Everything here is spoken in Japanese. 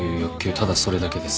ただそれだけです。